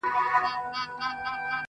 هم قاري سو هم یې ټول قرآن په یاد کړ-